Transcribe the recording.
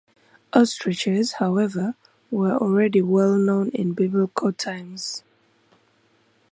Ostriches, however, were already well known in Biblical times.